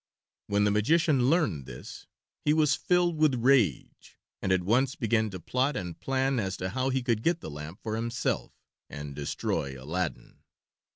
When the magician learned this he was filled with rage and at once began to plot and plan as to how he could get the lamp for himself, and destroy Aladdin.